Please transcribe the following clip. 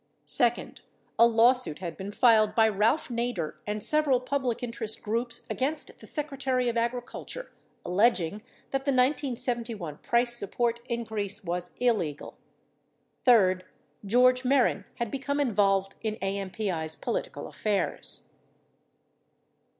Second, a lawsuit had been filed by Ralph Nader and several public interest groups against the Secre tary or Agriculture alleging that the 1971 price support increase was illegal. Third, George Mehren had become involved in AMPI's polit ical affairs.